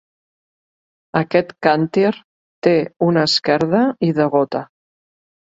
Aquest càntir té una esquerda i degota.